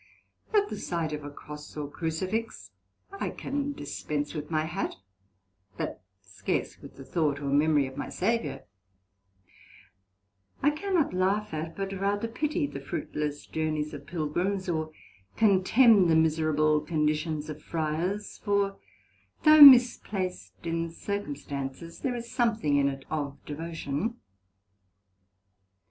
At the sight of a Cross or Crucifix I can dispense with my hat, but scarce with the thought or memory of my Saviour: I cannot laugh at, but rather pity, the fruitless journeys of Pilgrims, or contemn the miserable condition of Fryars; for though misplaced in Circumstances there is something in it of Devotion.